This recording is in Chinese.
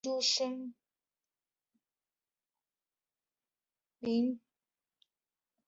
明诸生出身。